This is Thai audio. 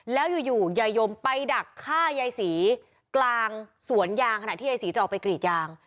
แล้วอยู่ยายยมไปดักฆ่ายายศรีกลางสวนยางขณะที่ยายศรีจะออกไปกรีดยาง